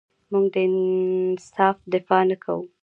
موږ د انصاف دفاع نه کوو.